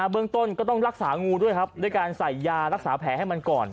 เบื้องต้นก็ต้องรักษางูด้วยครับด้วยการใส่ยารักษาแผลให้มันก่อน